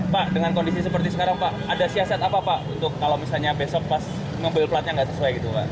pak dengan kondisi seperti sekarang pak ada siasat apa pak untuk kalau misalnya besok pas mobil platnya nggak sesuai gitu pak